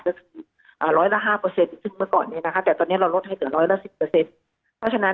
ก็คือร้อยละ๕ที่เมื่อก่อนฯแต่ตอนนี้เราลดให้เกือบริกษาธิภาคว่าร้อยละ๑๐